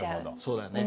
そうだよね。